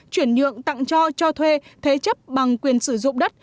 chuyển nhượng tặng cho cho thuê thế chấp bằng quyền sử dụng đất